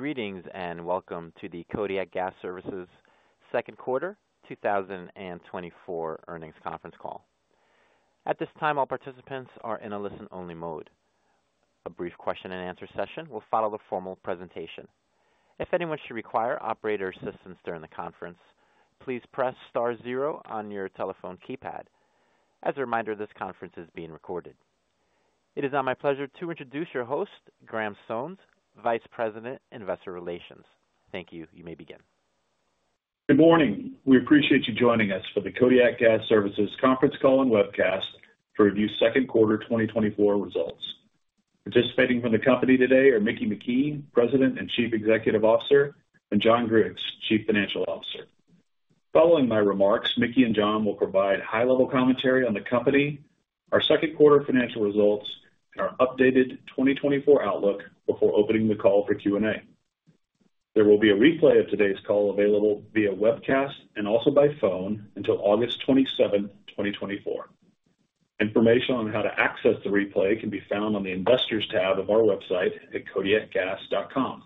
Greetings, and welcome to the Kodiak Gas Services second quarter 2024 earnings conference call. At this time, all participants are in a listen-only mode. A brief question and answer session will follow the formal presentation. If anyone should require operator assistance during the conference, please press star, zero on your telephone keypad. As a reminder, this conference is being recorded. It is now my pleasure to introduce your host, Graham Sones, Vice President, Investor Relations. Thank you. You may begin. Good morning. We appreciate you joining us for the Kodiak Gas Services conference call and webcast to review second quarter 2024 results. Participating from the company today are Mickey McKee, President and Chief Executive Officer, and John Griggs, Chief Financial Officer. Following my remarks, Mickey and John will provide high-level commentary on the company, our second quarter financial results, and our updated 2024 outlook before opening the call for Q&A. There will be a replay of today's call available via webcast and also by phone until August 27, 2024. Information on how to access the replay can be found on the Investors tab of our website at kodiakgas.com.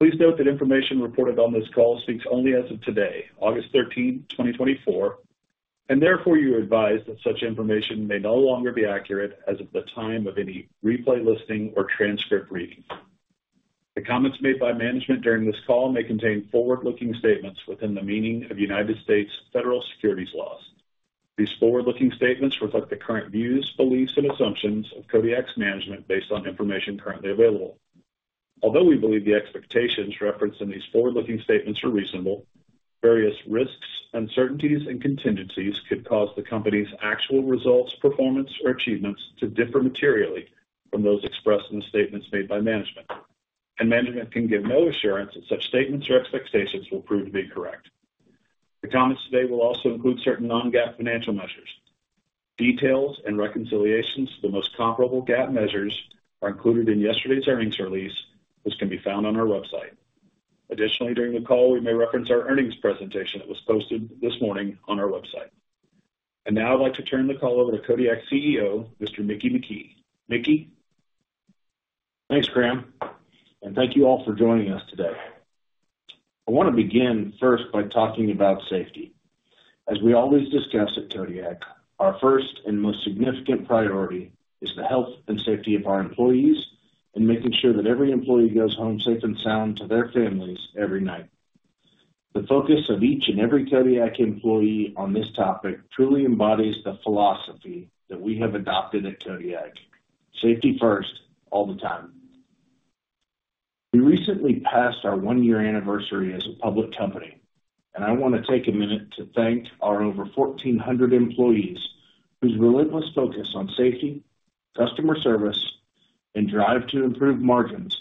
Please note that information reported on this call speaks only as of today, August 13, 2024, and therefore you're advised that such information may no longer be accurate as of the time of any replay listing or transcript reading. The comments made by management during this call may contain forward-looking statements within the meaning of United States federal securities laws. These forward-looking statements reflect the current views, beliefs, and assumptions of Kodiak's management based on information currently available. Although we believe the expectations referenced in these forward-looking statements are reasonable, various risks, uncertainties, and contingencies could cause the company's actual results, performance, or achievements to differ materially from those expressed in the statements made by management. Management can give no assurance that such statements or expectations will prove to be correct. The comments today will also include certain non-GAAP financial measures. Details and reconciliations to the most comparable GAAP measures are included in yesterday's earnings release, which can be found on our website. Additionally, during the call, we may reference our earnings presentation that was posted this morning on our website. And now I'd like to turn the call over to Kodiak's CEO, Mr. Mickey McKee. Mickey? Thanks, Graham, and thank you all for joining us today. I want to begin first by talking about safety. As we always discuss at Kodiak, our first and most significant priority is the health and safety of our employees and making sure that every employee goes home safe and sound to their families every night. The focus of each and every Kodiak employee on this topic truly embodies the philosophy that we have adopted at Kodiak: safety first, all the time. We recently passed our one-year anniversary as a public company, and I want to take a minute to thank our over 1,400 employees whose relentless focus on safety, customer service, and drive to improve margins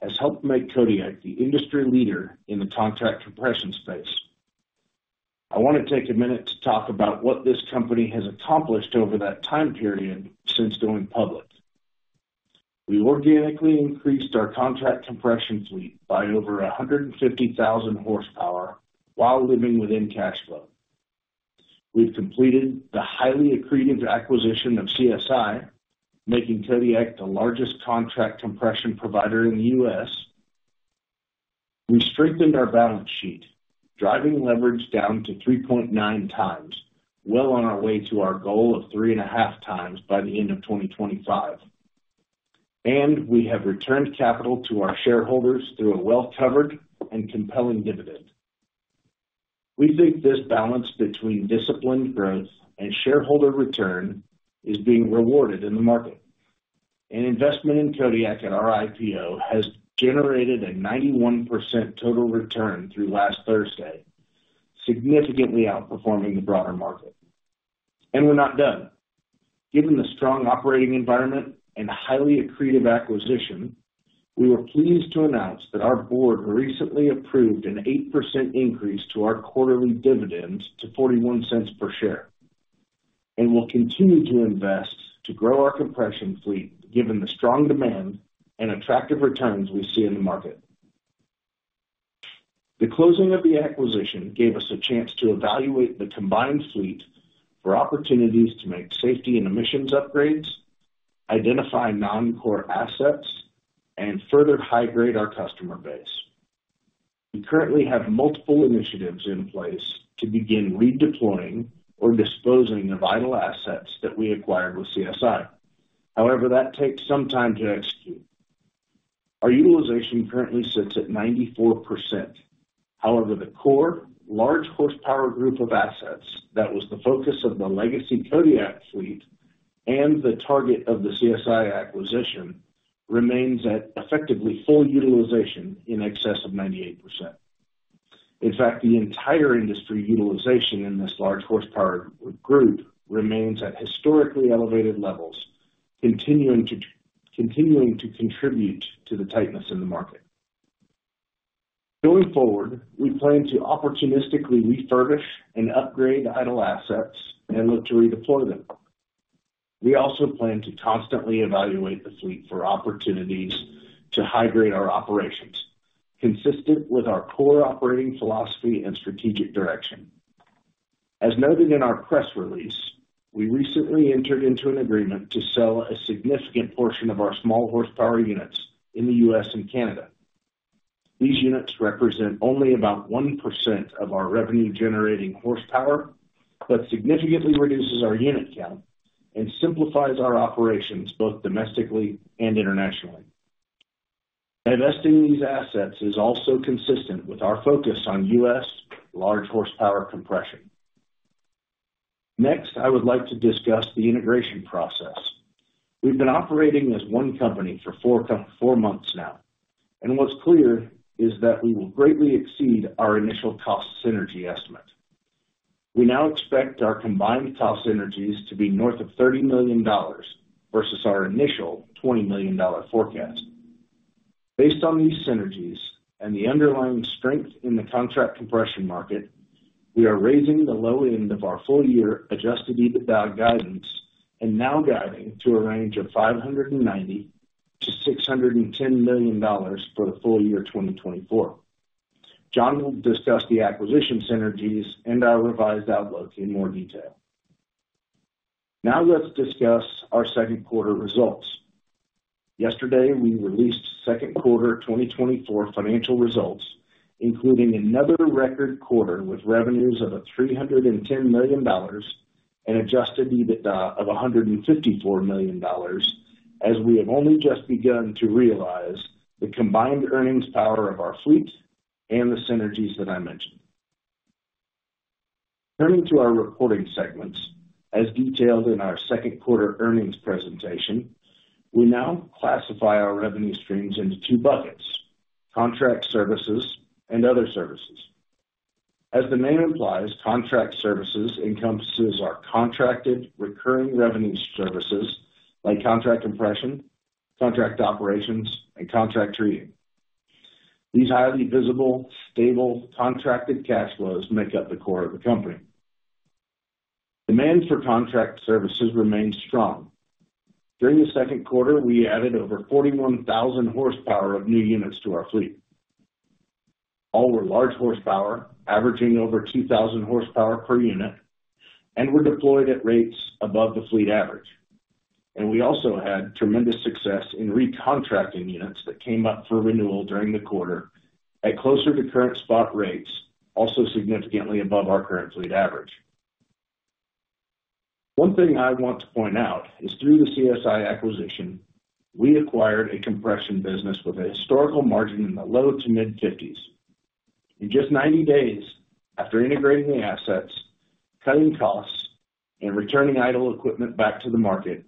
has helped make Kodiak the industry leader in the contract compression space. I want to take a minute to talk about what this company has accomplished over that time period since going public. We organically increased our contract compression fleet by over 150,000 horsepower while living within cash flow. We've completed the highly accretive acquisition of CSI, making Kodiak the largest contract compression provider in the U.S. We strengthened our balance sheet, driving leverage down to 3.9x, well on our way to our goal of 3.5x by the end of 2025. And we have returned capital to our shareholders through a well-covered and compelling dividend. We think this balance between disciplined growth and shareholder return is being rewarded in the market. An investment in Kodiak at our IPO has generated a 91% total return through last Thursday, significantly outperforming the broader market. And we're not done. Given the strong operating environment and highly accretive acquisition, we were pleased to announce that our board recently approved an 8% increase to our quarterly dividends to $0.41 per share, and we'll continue to invest to grow our compression fleet, given the strong demand and attractive returns we see in the market. The closing of the acquisition gave us a chance to evaluate the combined fleet for opportunities to make safety and emissions upgrades, identify non-core assets, and further high-grade our customer base. We currently have multiple initiatives in place to begin redeploying or disposing of idle assets that we acquired with CSI. However, that takes some time to execute. Our utilization currently sits at 94%. However, the core large horsepower group of assets that was the focus of the legacy Kodiak fleet and the target of the CSI acquisition remains at effectively full utilization in excess of 98%. In fact, the entire industry utilization in this large horsepower group remains at historically elevated levels, continuing to contribute to the tightness in the market. Going forward, we plan to opportunistically refurbish and upgrade idle assets and look to redeploy them. We also plan to constantly evaluate the fleet for opportunities to high-grade our operations, consistent with our core operating philosophy and strategic direction As noted in our press release, we recently entered into an agreement to sell a significant portion of our small horsepower units in the U.S. and Canada. These units represent only about 1% of our revenue-generating horsepower, but significantly reduces our unit count and simplifies our operations, both domestically and internationally. Divesting in these assets is also consistent with our focus on U.S. large horsepower compression. Next, I would like to discuss the integration process. We've been operating as one company for four months now, and what's clear is that we will greatly exceed our initial cost synergy estimate. We now expect our combined cost synergies to be north of $30 million versus our initial $20 million forecast. Based on these synergies and the underlying strength in the contract compression market, we are raising the low end of our full year Adjusted EBITDA guidance, and now guiding to a range of $590 million-$610 million for the full year, 2024. John will discuss the acquisition synergies and our revised outlook in more detail. Now let's discuss our second quarter results. Yesterday, we released second quarter 2024 financial results, including another record quarter with revenues of $310 million and Adjusted EBITDA of $154 million, as we have only just begun to realize the combined earnings power of our fleet and the synergies that I mentioned. Turning to our reporting segments, as detailed in our second quarter earnings presentation, we now classify our revenue streams into two buckets: contract services and other services. As the name implies, contract services encompasses our contracted, recurring revenue services like contract compression, contract operations, and contract treating. These highly visible, stable, contracted cash flows make up the core of the company. Demand for contract services remains strong. During the second quarter, we added over 41,000 horsepower of new units to our fleet. All were large horsepower, averaging over 2,000 horsepower per unit, and were deployed at rates above the fleet average. We also had tremendous success in recontracting units that came up for renewal during the quarter at closer to current spot rates, also significantly above our current fleet average. One thing I want to point out is through the CSI acquisition, we acquired a compression business with a historical margin in the low-to-mid 50s%. In just 90 days, after integrating the assets, cutting costs, and returning idle equipment back to the market,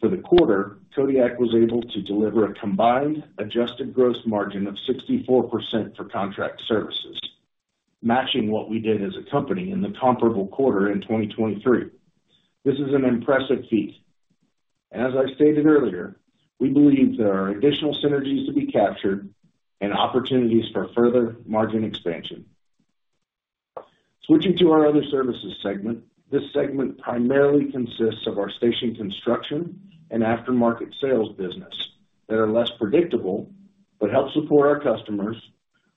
for the quarter, Kodiak was able to deliver a combined adjusted gross margin of 64% for contract services, matching what we did as a company in the comparable quarter in 2023. This is an impressive feat, and as I stated earlier, we believe there are additional synergies to be captured and opportunities for further margin expansion. Switching to our other services segment, this segment primarily consists of our station construction and aftermarket sales business, that are less predictable, but help support our customers,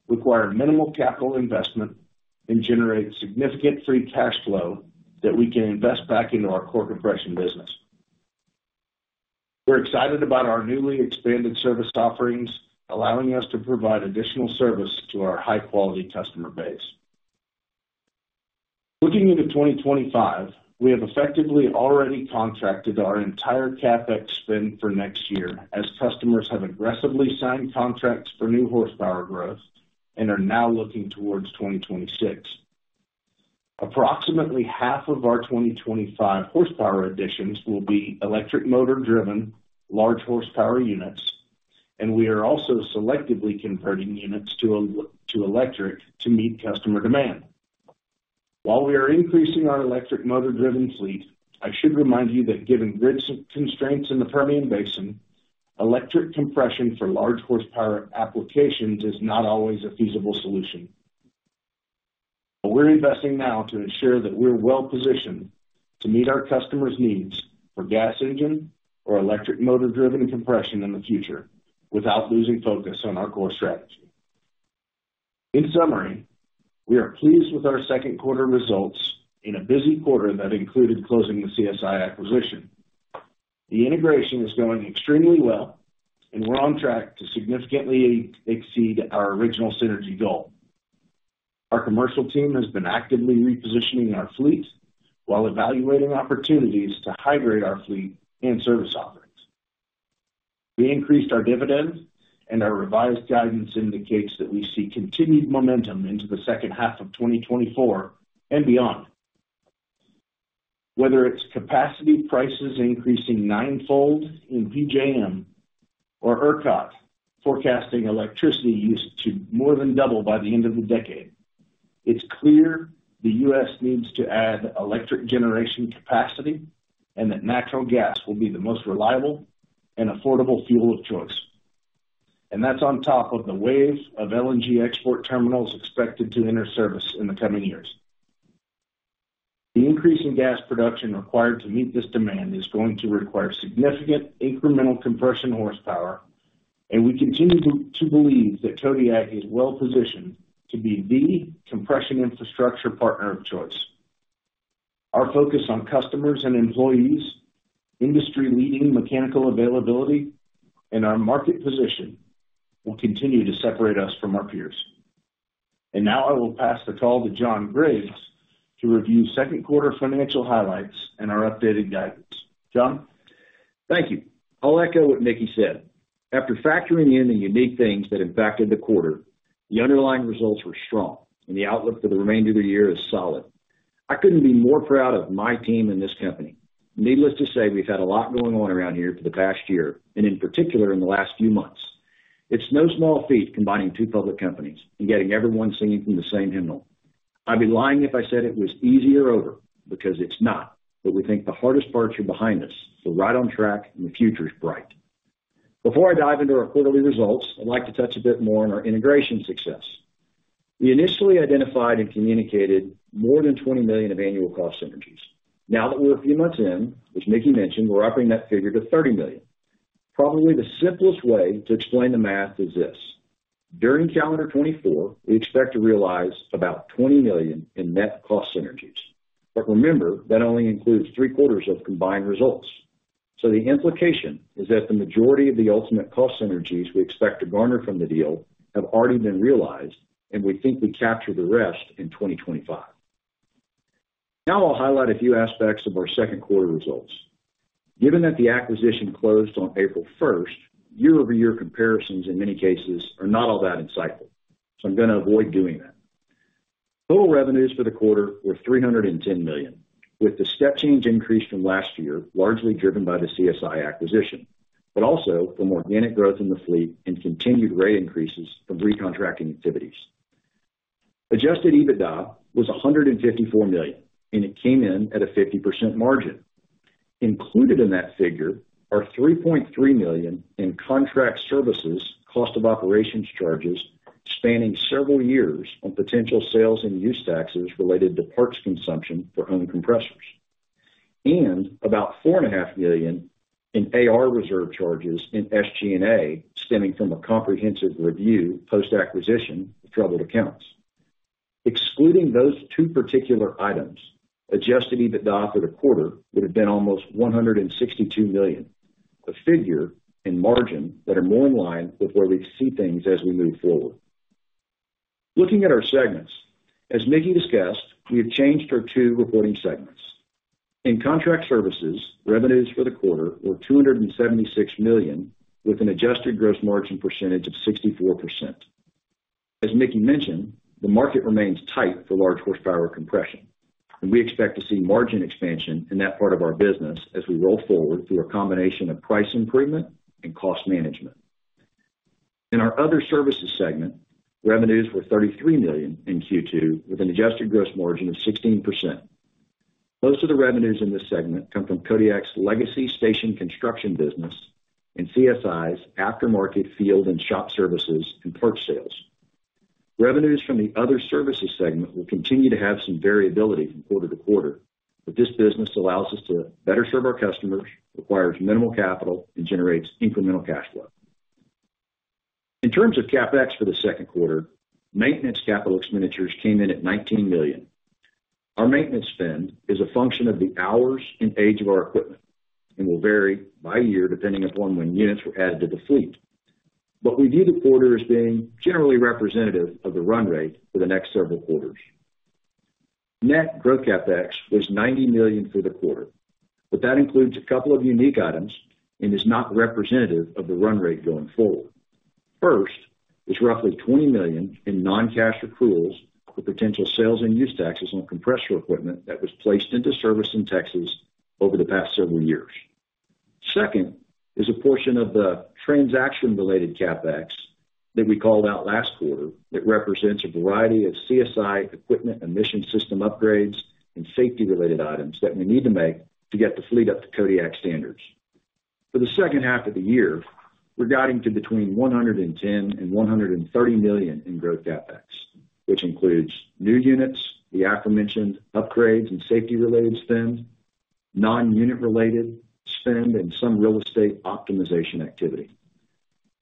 require minimal capital investment, and generate significant free cash flow that we can invest back into our core compression business. We're excited about our newly expanded service offerings, allowing us to provide additional service to our high-quality customer base. Looking into 2025, we have effectively already contracted our entire CapEx spend for next year, as customers have aggressively signed contracts for new horsepower growth and are now looking towards 2026. Approximately half of our 2025 horsepower additions will be electric motor-driven, large horsepower units, and we are also selectively converting units to electric to meet customer demand. While we are increasing our electric motor-driven fleet, I should remind you that given grid constraints in the Permian Basin, electric compression for large horsepower applications is not always a feasible solution. But we're investing now to ensure that we're well-positioned to meet our customers' needs for gas engine or electric motor-driven compression in the future without losing focus on our core strategy. In summary, we are pleased with our second quarter results in a busy quarter that included closing the CSI acquisition. The integration is going extremely well, and we're on track to significantly exceed our original synergy goal. Our commercial team has been actively repositioning our fleet while evaluating opportunities to high-grade our fleet and service offerings. We increased our dividends, and our revised guidance indicates that we see continued momentum into the second half of 2024 and beyond. Whether it's capacity prices increasing ninefold in PJM or ERCOT, forecasting electricity use to more than double by the end of the decade, it's clear the U.S. needs to add electric generation capacity and that natural gas will be the most reliable and affordable fuel of choice. And that's on top of the wave of LNG export terminals expected to enter service in the coming years. The increase in gas production required to meet this demand is going to require significant incremental compression horsepower, and we continue to believe that Kodiak is well-positioned to be the compression infrastructure partner of choice. Our focus on customers and employees, industry-leading mechanical availability, and our market position will continue to separate us from our peers. And now I will pass the call to John Griggs to review second quarter financial highlights and our updated guidance. John? Thank you. I'll echo what Mickey said. After factoring in the unique things that impacted the quarter, the underlying results were strong, and the outlook for the remainder of the year is solid. I couldn't be more proud of my team and this company. Needless to say, we've had a lot going on around here for the past year, and in particular, in the last few months. It's no small feat combining two public companies and getting everyone singing from the same hymnal. I'd be lying if I said it was easy or over, because it's not, but we think the hardest parts are behind us. We're right on track and the future is bright. Before I dive into our quarterly results, I'd like to touch a bit more on our integration success. We initially identified and communicated more than $20 million of annual cost synergies. Now that we're a few months in, as Mickey mentioned, we're upping that figure to $30 million. Probably the simplest way to explain the math is this: during calendar 2024, we expect to realize about $20 million in net cost synergies. But remember, that only includes three quarters of combined results. So the implication is that the majority of the ultimate cost synergies we expect to garner from the deal have already been realized, and we think we capture the rest in 2025. Now I'll highlight a few aspects of our second quarter results. Given that the acquisition closed on April 1, year-over-year comparisons, in many cases, are not all that insightful, so I'm going to avoid doing that. Total revenues for the quarter were $310 million, with the step change increase from last year, largely driven by the CSI acquisition, but also from organic growth in the fleet and continued rate increases from recontracting activities. Adjusted EBITDA was $154 million, and it came in at a 50% margin. Included in that figure are $3.3 million in contract services, cost of operations charges spanning several years on potential sales and use taxes related to parts consumption for owned compressors, and about $4.5 million in AR reserve charges in SG&A, stemming from a comprehensive review post-acquisition of troubled accounts. Excluding those two particular items, Adjusted EBITDA for the quarter would have been almost $162 million, a figure and margin that are more in line with where we see things as we move forward. Looking at our segments, as Mickey discussed, we have changed our two reporting segments. In contract services, revenues for the quarter were $276 million, with an adjusted gross margin percentage of 64%. As Mickey mentioned, the market remains tight for large horsepower compression, and we expect to see margin expansion in that part of our business as we roll forward through a combination of price improvement and cost management. In our other services segment, revenues were $33 million in Q2, with an adjusted gross margin of 16%. Most of the revenues in this segment come from Kodiak's legacy station construction business and CSI's aftermarket field and shop services and parts sales. Revenues from the other services segment will continue to have some variability from quarter to quarter, but this business allows us to better serve our customers, requires minimal capital, and generates incremental cash flow. In terms of CapEx for the second quarter, maintenance capital expenditures came in at $19 million. Our maintenance spend is a function of the hours and age of our equipment and will vary by year, depending upon when units were added to the fleet. But we view the quarter as being generally representative of the run rate for the next several quarters. Net growth CapEx was $90 million for the quarter, but that includes a couple of unique items and is not representative of the run rate going forward. First is roughly $20 million in non-cash accruals for potential sales and use taxes on compressor equipment that was placed into service in Texas over the past several years. Second, is a portion of the transaction-related CapEx that we called out last quarter, that represents a variety of CSI equipment, emission system upgrades, and safety-related items that we need to make to get the fleet up to Kodiak standards. For the second half of the year, we're guiding to between $110 million and $130 million in growth CapEx, which includes new units, the aforementioned upgrades and safety-related spend, non-unit related spend, and some real estate optimization activity.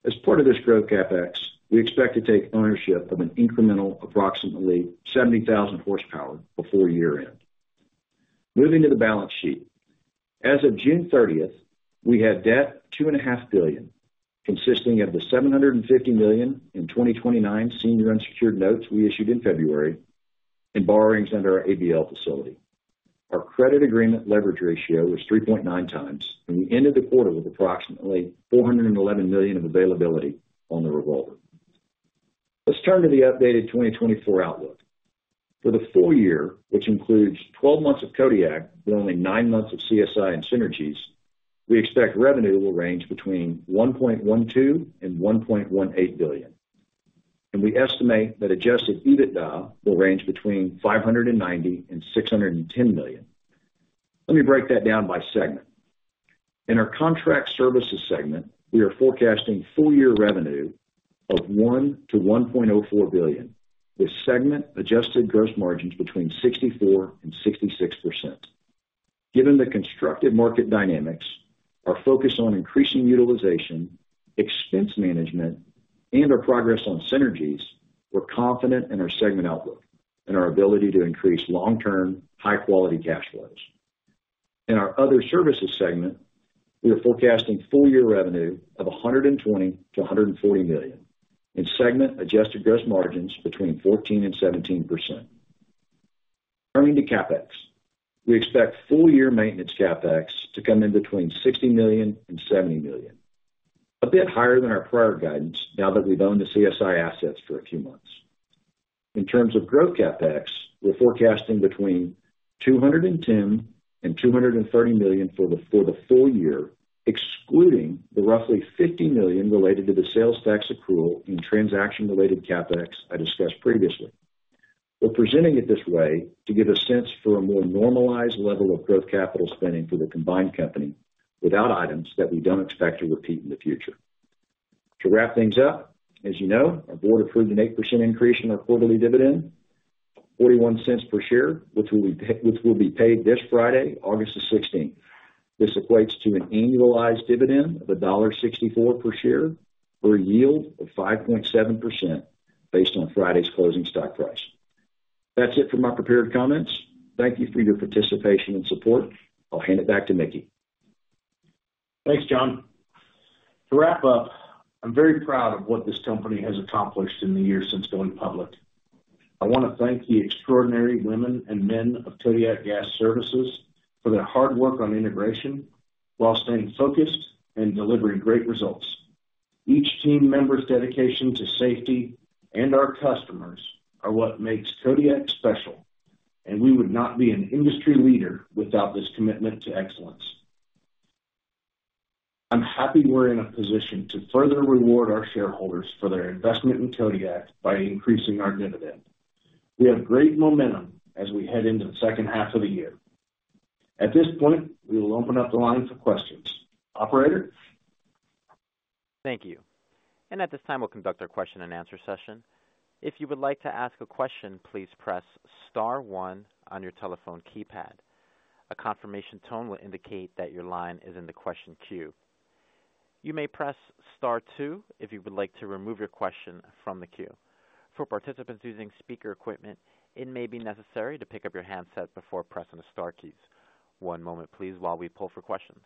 As part of this growth CapEx, we expect to take ownership of an incremental approximately 70,000 horsepower before year-end. Moving to the balance sheet. As of June 30, we had debt $2.5 billion, consisting of the $750 million in 2029 senior unsecured notes we issued in February and borrowings under our ABL facility. Our credit agreement leverage ratio was 3.9x, and we ended the quarter with approximately $411 million of availability on the revolver. Let's turn to the updated 2024 outlook. For the full year, which includes 12 months of Kodiak, but only nine months of CSI and synergies, we expect revenue will range between $1.12 billion and $1.18 billion. We estimate that Adjusted EBITDA will range between $590 million and $610 million. Let me break that down by segment. In our contract services segment, we are forecasting full-year revenue of $1 billion-$1.04 billion, with segment Adjusted Gross Margins between 64% and 66% Given the constructive market dynamics, our focus on increasing utilization, expense management, and our progress on synergies, we're confident in our segment outlook and our ability to increase long-term, high-quality cash flows. In our other services segment, we are forecasting full year revenue of $100 million-$140 million, and segment adjusted gross margins between 14% and 17%. Turning to CapEx, we expect full year maintenance CapEx to come in between $60 million and $70 million, a bit higher than our prior guidance now that we've owned the CSI assets for a few months. In terms of growth CapEx, we're forecasting between $210 million and $230 million for the full year, excluding the roughly $50 million related to the sales tax accrual in transaction-related CapEx I discussed previously. We're presenting it this way to get a sense for a more normalized level of growth capital spending for the combined company, without items that we don't expect to repeat in the future. To wrap things up, as you know, our board approved an 8% increase in our quarterly dividend, $0.41 per share, which will be paid this Friday, August 16. This equates to an annualized dividend of $1.64 per share, for a yield of 5.7% based on Friday's closing stock price. That's it for my prepared comments. Thank you for your participation and support. I'll hand it back to Mickey. Thanks, John. To wrap up, I'm very proud of what this company has accomplished in the years since going public. I want to thank the extraordinary women and men of Kodiak Gas Services for their hard work on integration while staying focused and delivering great results. Each team member's dedication to safety and our customers are what makes Kodiak special, and we would not be an industry leader without this commitment to excellence. I'm happy we're in a position to further reward our shareholders for their investment in Kodiak by increasing our dividend. We have great momentum as we head into the second half of the year. At this point, we will open up the line for questions. Operator? Thank you. At this time, we'll conduct our question-and-answer session. If you would like to ask a question, please press star one on your telephone keypad. A confirmation tone will indicate that your line is in the question queue. You may press star two if you would like to remove your question from the queue. For participants using speaker equipment, it may be necessary to pick up your handset before pressing the star keys. One moment, please, while we pull for questions.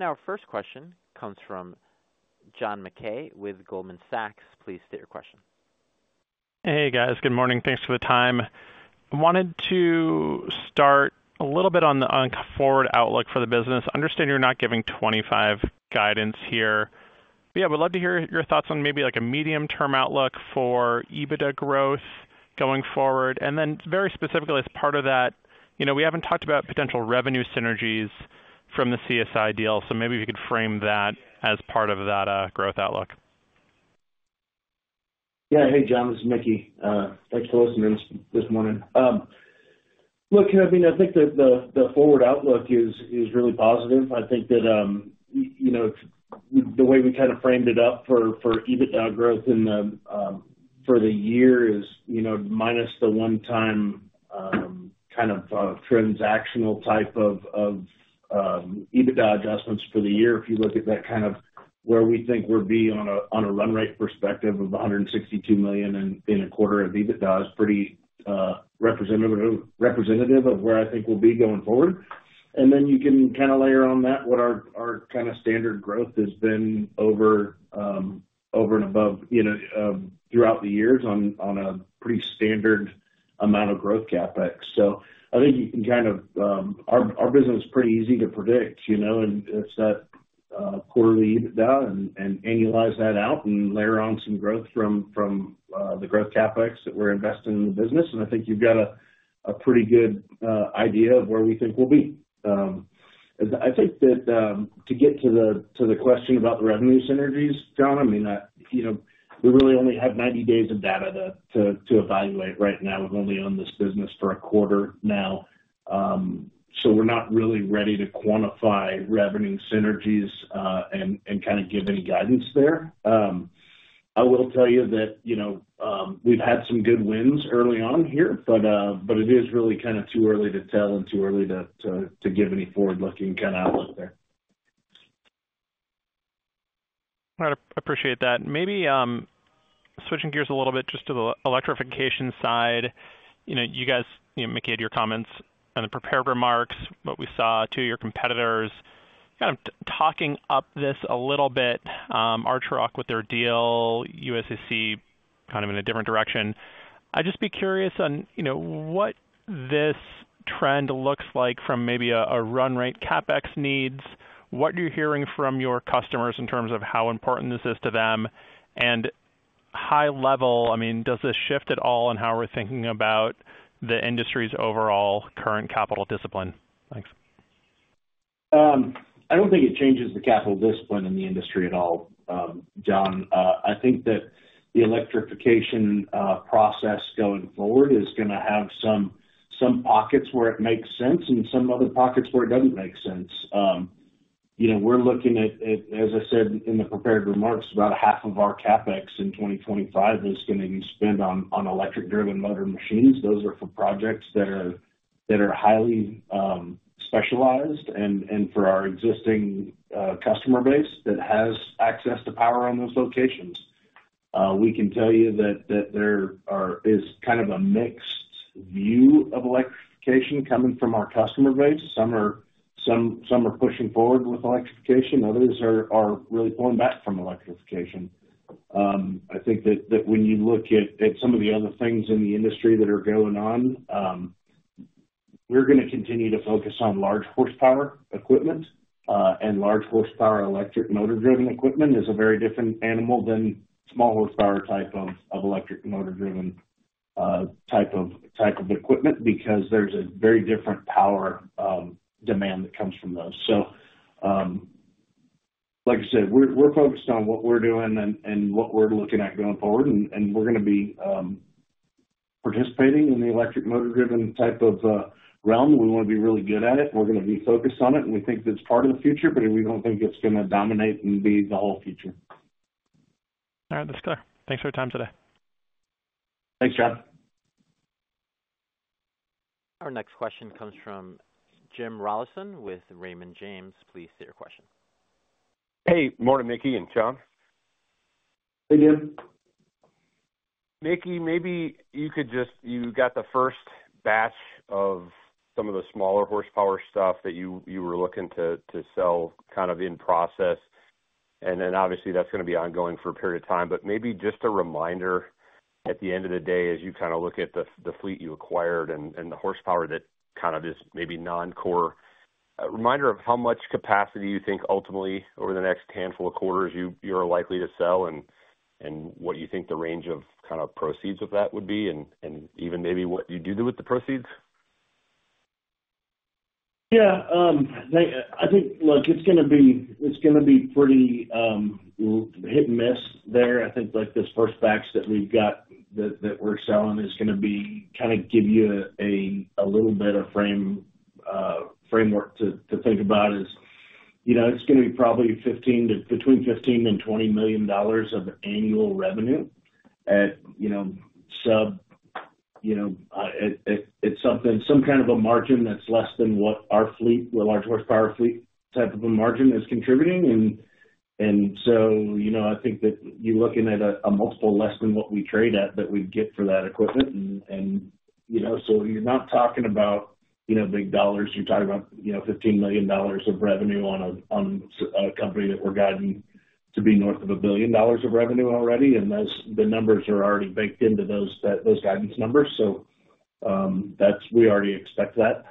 Our first question comes from John Mackay with Goldman Sachs. Please state your question. Hey, guys. Good morning. Thanks for the time. I wanted to start a little bit on the, on forward outlook for the business. I understand you're not giving 2025 guidance here, but yeah, I would love to hear your thoughts on maybe like a medium-term outlook for EBITDA growth going forward. And then very specifically, as part of that, you know, we haven't talked about potential revenue synergies from the CSI deal, so maybe if you could frame that as part of that, growth outlook. Yeah. Hey, John, this is Mickey. Thanks for listening this morning. Look, you know, I mean, I think that the forward outlook is really positive. I think that you know, the way we kind of framed it up for EBITDA growth in the year is, you know, minus the one-time kind of transactional type of EBITDA adjustments for the year. If you look at that kind of where we think we'll be on a run rate perspective of $162 million in a quarter of EBITDA is pretty representative of where I think we'll be going forward. And then you can kind of layer on that what our kind of standard growth has been over, over and above, you know, throughout the years on, on a pretty standard amount of growth CapEx. So I think you can kind of, our business is pretty easy to predict, you know, and it's that quarterly EBITDA and annualize that out and layer on some growth from the growth CapEx that we're investing in the business, and I think you've got a pretty good idea of where we think we'll be. I think that to get to the question about the revenue synergies, John, I mean, I you know, we really only have 90 days of data to evaluate right now. We've only owned this business for a quarter now, so we're not really ready to quantify revenue synergies, and kind of give any guidance there. I will tell you that, you know, we've had some good wins early on here, but it is really kind of too early to tell and too early to give any forward-looking kind of outlook there. I appreciate that. Maybe switching gears a little bit just to the electrification side. You know, you guys, you know, Mickey, in your comments on the prepared remarks, what we saw to your competitors, kind of talking up this a little bit, Archrock with their deal, USAC, kind of in a different direction. I'd just be curious on, you know, what this trend looks like from maybe a run rate CapEx needs. What you're hearing from your customers in terms of how important this is to them? And high level, I mean, does this shift at all on how we're thinking about the industry's overall current capital discipline? Thanks. I don't think it changes the capital discipline in the industry at all, John. I think that the electrification process going forward is gonna have some pockets where it makes sense and some other pockets where it doesn't make sense. You know, we're looking at, as I said in the prepared remarks, about half of our CapEx in 2025 is gonna be spent on electric driven motor machines. Those are for projects that are highly specialized and for our existing customer base that has access to power on those locations. We can tell you that there is kind of a mixed view of electrification coming from our customer base. Some are pushing forward with electrification, others are really pulling back from electrification. I think that when you look at some of the other things in the industry that are going on, we're gonna continue to focus on large horsepower equipment, and large horsepower electric motor driven equipment is a very different animal than small horsepower type of electric motor driven type of equipment, because there's a very different power demand that comes from those. So, like I said, we're focused on what we're doing and what we're looking at going forward, and we're gonna be participating in the electric motor driven type of realm. We want to be really good at it, and we're gonna be focused on it, and we think it's part of the future, but we don't think it's gonna dominate and be the whole future. All right, that's clear. Thanks for your time today. Thanks, John. Our next question comes from Jim Rollyson with Raymond James. Please state your question. Hey, morning, Mickey and John. Hey, Jim. Mickey, maybe you could just-- you got the first batch of some of the smaller horsepower stuff that you, you were looking to, to sell kind of in process, and then obviously that's gonna be ongoing for a period of time. But maybe just a reminder, at the end of the day, as you kind of look at the, the fleet you acquired and, and the horsepower that kind of is maybe non-core, a reminder of how much capacity you think ultimately over the next handful of quarters you, you're likely to sell? And, and what do you think the range of kind of proceeds of that would be? And, and even maybe what you do do with the proceeds. Yeah, I think, look, it's gonna be pretty hit and miss there. I think, like, this first batch that we've got that we're selling is gonna be-- kinda give you a little bit of framework to think about is, you know, it's gonna be probably $15 million-$20 million of annual revenue at, you know, it's something, some kind of a margin that's less than what our fleet, the large horsepower fleet, type of a margin is contributing. And so, you know, I think that you're looking at a multiple less than what we trade at, that we'd get for that equipment. You know, so you're not talking about, you know, big dollars, you're talking about, you know, $15 million of revenue on a company that we're guiding to be north of $1 billion of revenue already, and those numbers are already baked into those guidance numbers. So, that's. We already expect that.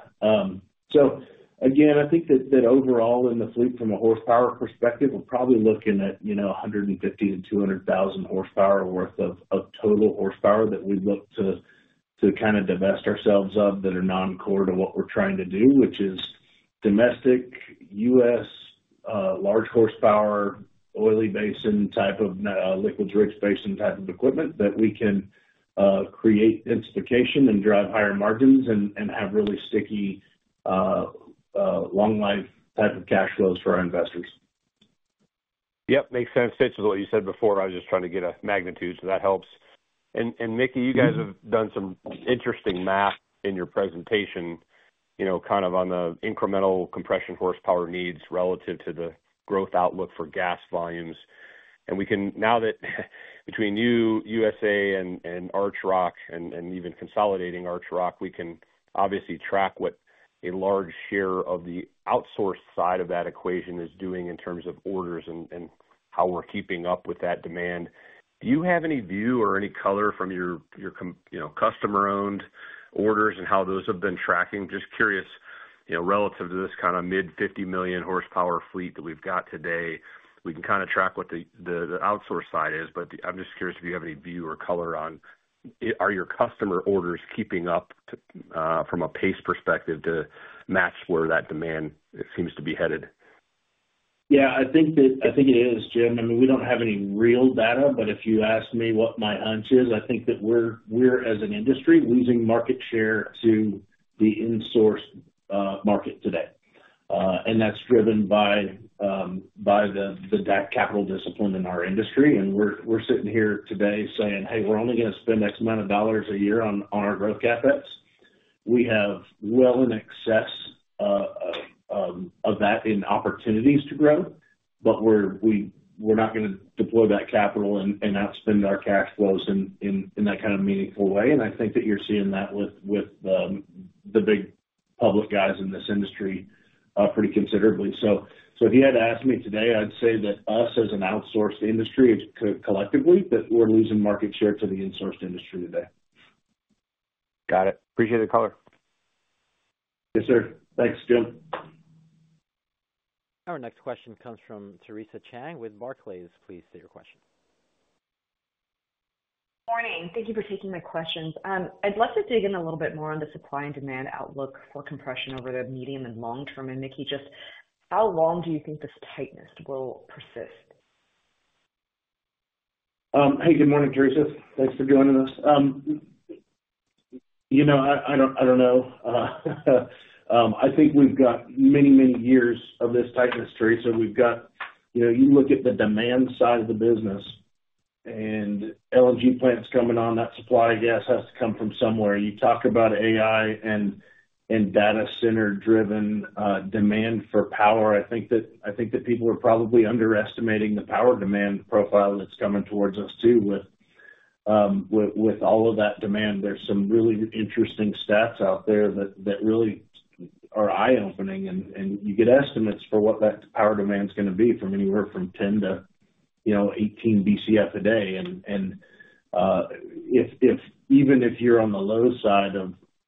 So again, I think that overall in the fleet, from a horsepower perspective, we're probably looking at, you know, 150,000-200,000 horsepower worth of total horsepower that we'd look to kind of divest ourselves of, that are non-core to what we're trying to do, which is domestic U.S. large horsepower, oily basin type of liquid rich basin type of equipment, that we can create densification and drive higher margins and have really sticky long life type of cash flows for our investors. Yep, makes sense. Fits with what you said before. I was just trying to get a magnitude, so that helps. And, and Mickey, you guys have done some interesting math in your presentation, you know, kind of on the incremental compression horsepower needs relative to the growth outlook for gas volumes. And we can... Now that between you, USA and, and Archrock and, and even consolidating Archrock, we can obviously track what a large share of the outsourced side of that equation is doing in terms of orders and, and how we're keeping up with that demand. Do you have any view or any color from your, your you know, customer-owned orders and how those have been tracking? Just curious, you know, relative to this kind of mid-50 million horsepower fleet that we've got today, we can kind of track what the outsource side is, but I'm just curious if you have any view or color on, are your customer orders keeping up, from a pace perspective, to match where that demand seems to be headed? Yeah, I think it is, Jim. I mean, we don't have any real data, but if you ask me what my hunch is, I think that we're, as an industry, losing market share to the insourced market today. And that's driven by that capital discipline in our industry. And we're sitting here today saying: Hey, we're only gonna spend X amount of dollars a year on our growth CapEx. We have well in excess of that in opportunities to grow, but we're not gonna deploy that capital and outspend our cash flows in that kind of meaningful way. And I think that you're seeing that with the big public guys in this industry pretty considerably. If you had to ask me today, I'd say that us as an outsourced industry, collectively, that we're losing market share to the insourced industry today. Got it. Appreciate the color. Yes, sir. Thanks, Jim. Our next question comes from Theresa Chen with Barclays. Please state your question. Morning. Thank you for taking my questions. I'd love to dig in a little bit more on the supply and demand outlook for compression over the medium and long term. And Mickey, just how long do you think this tightness will persist? Hey, good morning, Theresa. Thanks for joining us. You know, I don't know. I think we've got many, many years of this tightness, Theresa. We've got. You know, you look at the demand side of the business, and LNG plants coming on, that supply of gas has to come from somewhere. You talk about AI and data center driven demand for power. I think that people are probably underestimating the power demand profile that's coming towards us, too, with all of that demand. There's some really interesting stats out there that really are eye opening, and you get estimates for what that power demand is gonna be, from anywhere from 10-18 BCF a day. Even if you're on the low side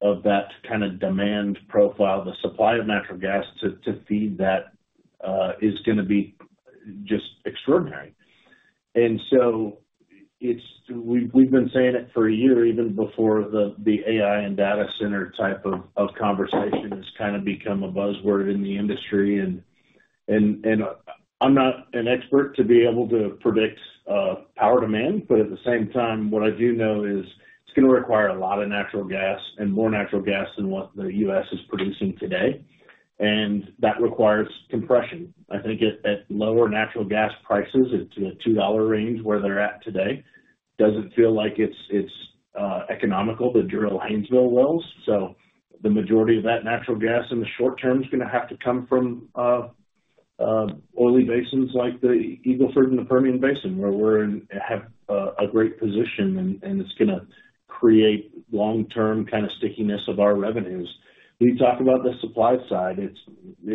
of that kind of demand profile, the supply of natural gas to feed that is gonna be just extraordinary. And so it's—we've been saying it for a year, even before the AI and data center type of conversation has kind of become a buzzword in the industry. And I'm not an expert to be able to predict power demand, but at the same time, what I do know is it's gonna require a lot of natural gas and more natural gas than what the U.S. is producing today, and that requires compression. I think at lower natural gas prices, it's in the $2 range where they're at today, doesn't feel like it's economical to drill Haynesville wells. So the majority of that natural gas in the short term is gonna have to come from oily basins like the Eagle Ford and the Permian Basin, where we have a great position, and it's gonna create long-term kind of stickiness of our revenues. When you talk about the supply side, you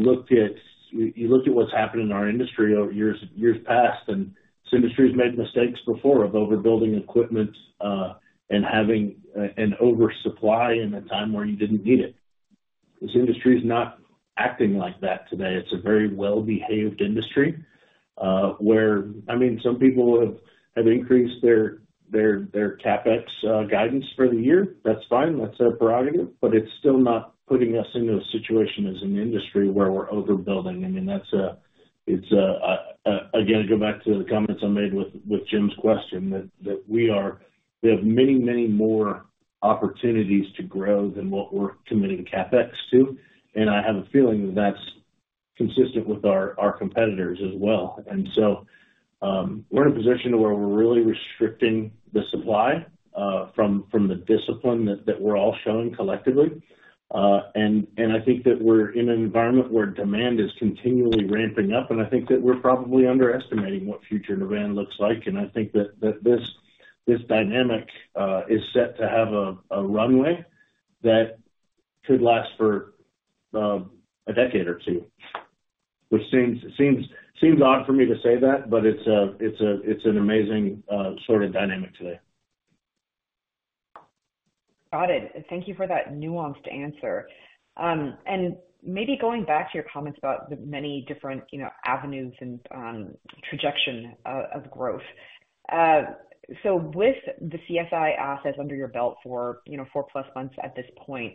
look at what's happened in our industry over years past, and this industry has made mistakes before of overbuilding equipment and having an oversupply in a time where you didn't need it. This industry is not acting like that today. It's a very well-behaved industry, where I mean, some people have increased their CapEx guidance for the year. That's fine. That's their prerogative, but it's still not putting us into a situation as an industry where we're overbuilding. I mean, that's it, again, I go back to the comments I made with Jim's question, that we are. We have many, many more opportunities to grow than what we're committing CapEx to, and I have a feeling that's consistent with our competitors as well. And so, we're in a position where we're really restricting the supply from the discipline that we're all showing collectively. And I think that we're in an environment where demand is continually ramping up, and I think that we're probably underestimating what future demand looks like. And I think that this dynamic is set to have a runway that could last for a decade or two. Which seems odd for me to say that, but it's an amazing sort of dynamic today. Got it. Thank you for that nuanced answer. And maybe going back to your comments about the many different, you know, avenues and, trajectory, of growth. So with the CSI assets under your belt for, you know, four plus months at this point,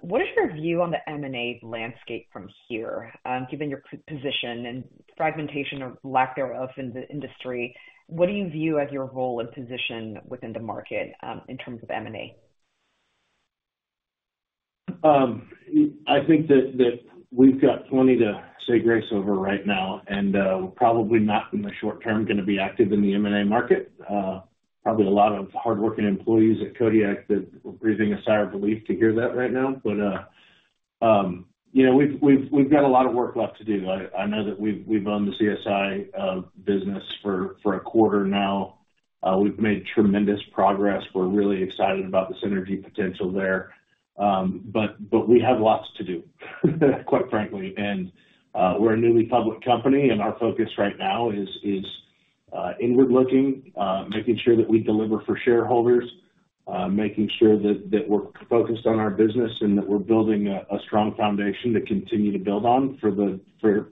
what is your view on the M&A landscape from here? Given your position and fragmentation or lack thereof in the industry, what do you view as your role and position within the market, in terms of M&A? I think that we've got plenty to say grace over right now, and we're probably not, in the short term, gonna be active in the M&A market. Probably a lot of hardworking employees at Kodiak that are breathing a sigh of relief to hear that right now. But you know, we've got a lot of work left to do. I know that we've owned the CSI business for a quarter now. We've made tremendous progress. We're really excited about the synergy potential there. But we have lots to do, quite frankly. We're a newly public company, and our focus right now is inward looking, making sure that we deliver for shareholders, making sure that we're focused on our business, and that we're building a strong foundation to continue to build on to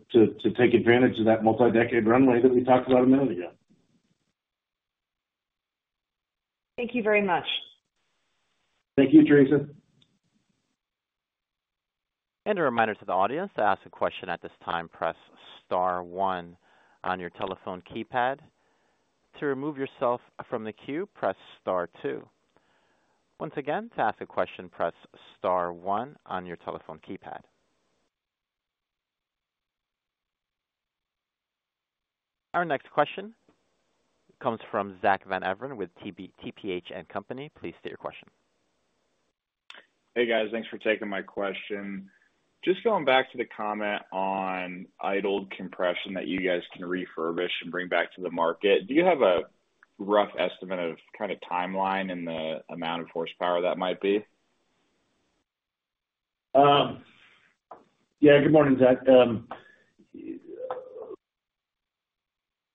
take advantage of that multi-decade runway that we talked about a minute ago. Thank you very much. Thank you, Theresa. A reminder to the audience, to ask a question at this time, press star one on your telephone keypad. To remove yourself from the queue, press star two. Once again, to ask a question, press star one on your telephone keypad. Our next question comes from Zack Van Everen with TPH. Please state your question. Hey, guys. Thanks for taking my question. Just going back to the comment on idled compression that you guys can refurbish and bring back to the market, do you have a rough estimate of kind of timeline and the amount of horsepower that might be? Yeah, good morning, Zack.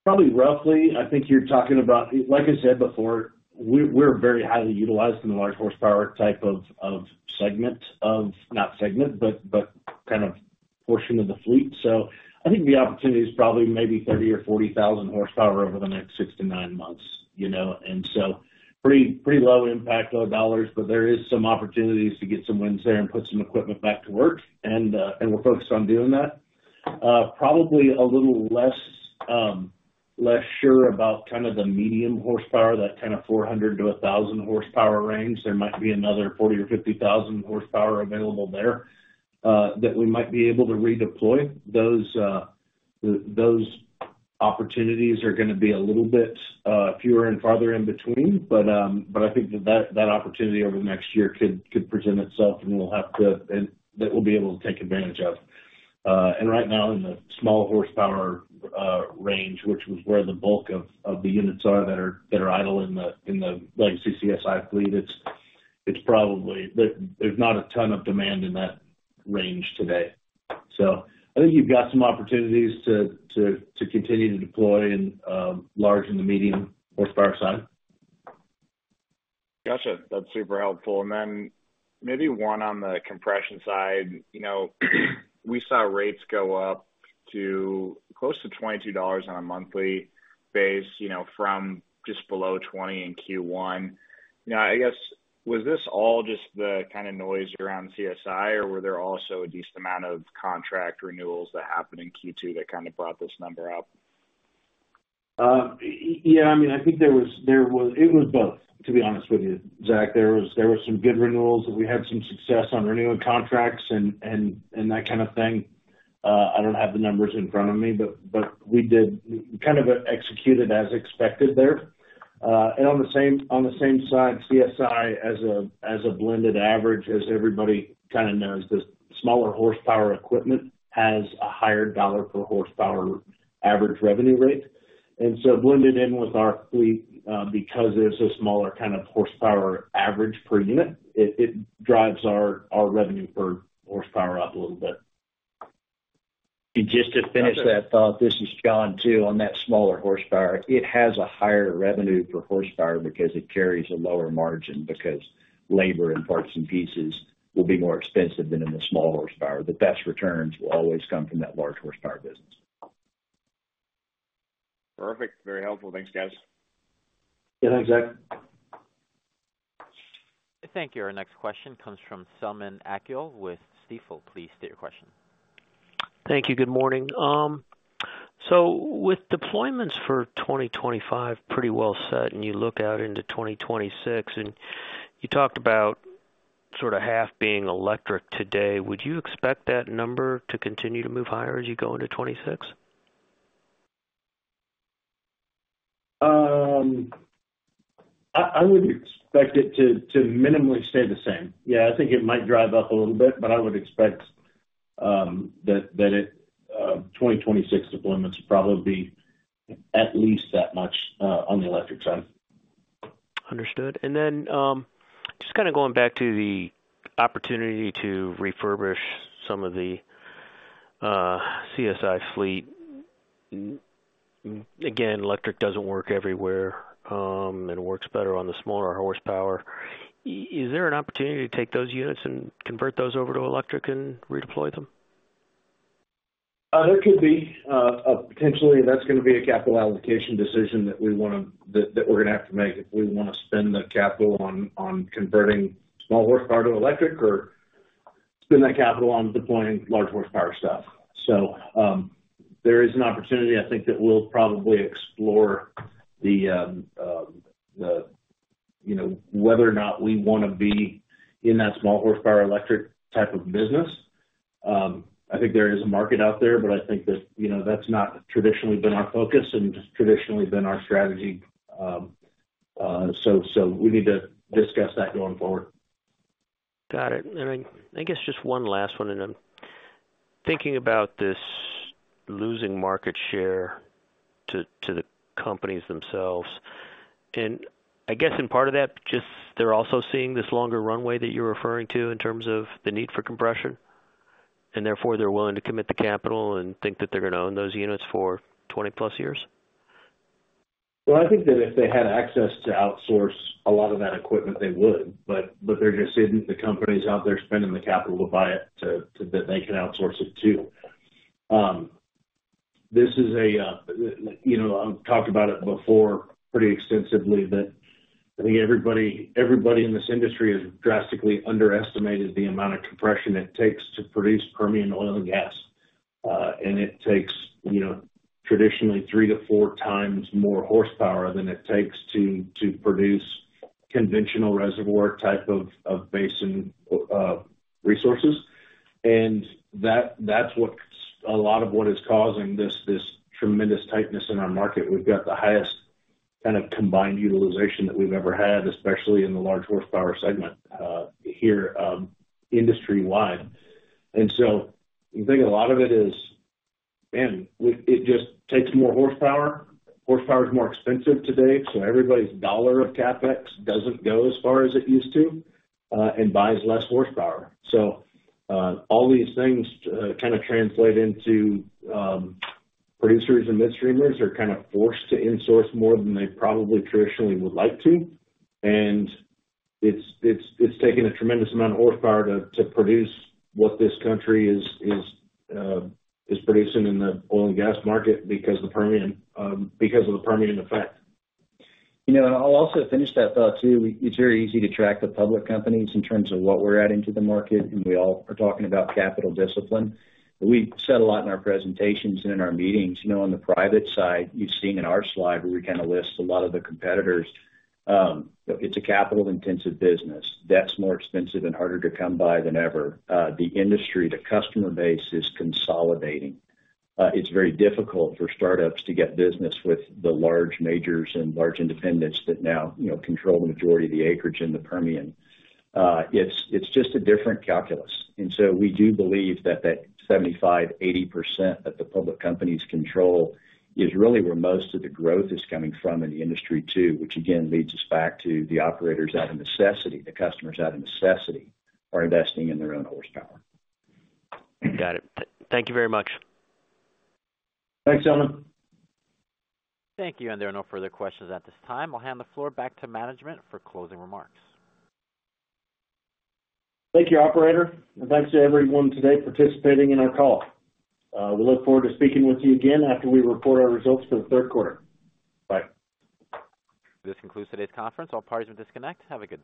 Probably roughly, I think you're talking about... Like I said before, we're, we're very highly utilized in the large horsepower type of kind of portion of the fleet. So I think the opportunity is probably maybe 30,000 or 40,000 horsepower over the next six to nine months, you know, and so pretty, pretty low impact on dollars, but there is some opportunities to get some wins there and put some equipment back to work, and we're focused on doing that Probably a little less, less sure about kind of the medium horsepower, that kind of 400-1,000 horsepower range. There might be another 40,000 or 50,000 horsepower available there, that we might be able to redeploy. Those, those opportunities are gonna be a little bit fewer and farther in between. But, but I think that, that opportunity over the next year could, could present itself, and we'll have to, and that we'll be able to take advantage of. And right now, in the small horsepower range, which was where the bulk of the units are, that are idle in the legacy CSI fleet, it's probably—there's not a ton of demand in that range today. So I think you've got some opportunities to continue to deploy in large and the medium horsepower side. Gotcha. That's super helpful. And then maybe one on the compression side. You know, we saw rates go up to close to $22 on a monthly basis, you know, from just below $20 in Q1. Now, I guess, was this all just the kind of noise around CSI, or were there also a decent amount of contract renewals that happened in Q2 that kind of brought this number up? Yeah, I mean, I think it was both, to be honest with you, Zack. There was some good renewals, and we had some success on renewing contracts and that kind of thing. I don't have the numbers in front of me, but we did kind of executed as expected there. And on the same side, CSI, as a blended average, as everybody kind of knows, the smaller horsepower equipment has a higher dollar per horsepower average revenue rate. And so blended in with our fleet, because it's a smaller kind of horsepower average per unit, it drives our revenue per horsepower up a little bit. Just to finish that thought, this is John, too. On that smaller horsepower, it has a higher revenue per horsepower because it carries a lower margin, because labor and parts and pieces will be more expensive than in the small horsepower. The best returns will always come from that large horsepower business. Perfect. Very helpful. Thanks, guys. Yeah, thanks, Zack. Thank you. Our next question comes from Selman Akyol with Stifel. Please state your question. Thank you. Good morning. So with deployments for 2025 pretty well set, and you look out into 2026, and you talked about sort of half being electric today, would you expect that number to continue to move higher as you go into 2026? I would expect it to minimally stay the same. Yeah, I think it might drive up a little bit, but I would expect that it 2026 deployments will probably be at least that much on the electric side. Understood. And then, just kind of going back to the opportunity to refurbish some of the CSI fleet. Again, electric doesn't work everywhere, and it works better on the smaller horsepower. Is there an opportunity to take those units and convert those over to electric and redeploy them? There could be potentially, that's gonna be a capital allocation decision that we wanna, we're gonna have to make. If we wanna spend the capital on converting small horsepower to electric or spend that capital on deploying large horsepower stuff. So, there is an opportunity, I think, that we'll probably explore the, you know, whether or not we wanna be in that small horsepower, electric type of business. I think there is a market out there, but I think that, you know, that's not traditionally been our focus and just traditionally been our strategy. So, we need to discuss that going forward. Got it. And I guess just one last one, and I'm thinking about this losing market share to the companies themselves. And I guess in part of that, just they're also seeing this longer runway that you're referring to in terms of the need for compression, and therefore, they're willing to commit the capital and think that they're gonna own those units for 20+ years? Well, I think that if they had access to outsource a lot of that equipment, they would, but there just isn't the companies out there spending the capital to buy it to that they can outsource it to. This is a, you know, I've talked about it before pretty extensively, that I think everybody, everybody in this industry has drastically underestimated the amount of compression it takes to produce Permian oil and gas. And it takes, you know, traditionally 3x-4x more horsepower than it takes to produce conventional reservoir type of basin resources. And that, that's what a lot of what is causing this tremendous tightness in our market. We've got the highest kind of combined utilization that we've ever had, especially in the large horsepower segment here, industry-wide. And so I think a lot of it is, man, it just takes more horsepower. Horsepower is more expensive today, so everybody's dollar of CapEx doesn't go as far as it used to, and buys less horsepower. So all these things kind of translate into producers and midstreamers are kind of forced to insource more than they probably traditionally would like to. And it's taken a tremendous amount of horsepower to produce what this country is producing in the oil and gas market because of the Permian effect. You know, and I'll also finish that thought, too. It's very easy to track the public companies in terms of what we're adding to the market, and we all are talking about capital discipline. We've said a lot in our presentations and in our meetings. You know, on the private side, you've seen in our slide where we kind of list a lot of the competitors. It's a capital-intensive business. Debt's more expensive and harder to come by than ever. The industry, the customer base is consolidating. It's very difficult for startups to get business with the large majors and large independents that now, you know, control the majority of the acreage in the Permian. It's just a different calculus. And so we do believe that that 75%-80% that the public companies control is really where most of the growth is coming from in the industry, too. Which again, leads us back to the operators out of necessity, the customers out of necessity, are investing in their own horsepower. Got it. Thank you very much. Thanks, Selman. Thank you, and there are no further questions at this time. I'll hand the floor back to management for closing remarks. Thank you, operator, and thanks to everyone today participating in our call. We look forward to speaking with you again after we report our results for the third quarter. Bye. This concludes today's conference. All parties will disconnect. Have a good day.